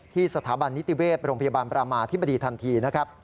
ที่สถาบันนิติเวศโรงพยาบาลประมาธิบดีทันที